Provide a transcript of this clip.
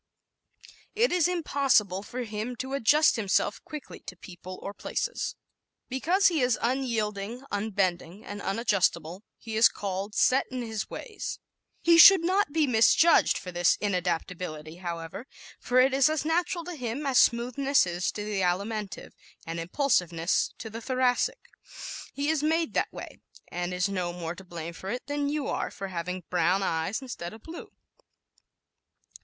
It is impossible for him to adjust himself quickly to people or places. Because he is unyielding, unbending and unadjustable he is called "sot in his ways." He should not be misjudged for this inadaptability, however, for it is as natural to him as smoothness is to the Alimentive and impulsiveness to the Thoracic. He is made that way and is no more to blame for it than you are for having brown eyes instead of blue.